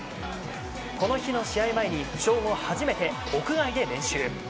この日の試合前に負傷後初めて屋外で練習。